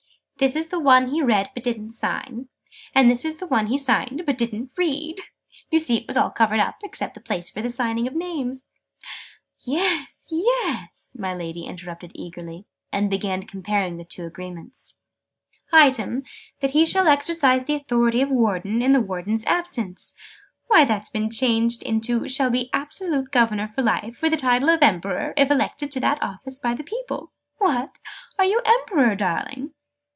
"This is the one he read but didn't sign: and this is the one he signed but didn't read! You see it was all covered up, except the place for signing the names " "Yes, yes!" my Lady interrupted eagerly, and began comparing the two Agreements. "'Item, that he shall exercise the authority of Warden, in the Warden's absence.' Why, that's been changed into 'shall be absolute governor for life, with the title of Emperor, if elected to that office by the people.' What! Are you Emperor, darling?"